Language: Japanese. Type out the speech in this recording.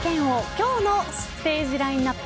今日のステージラインアップ